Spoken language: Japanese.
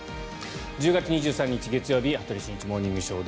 １０月２３日、月曜日「羽鳥慎一モーニングショー」。